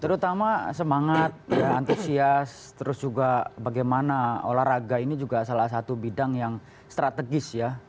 terutama semangat antusias terus juga bagaimana olahraga ini juga salah satu bidang yang strategis ya